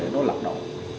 nó lạc động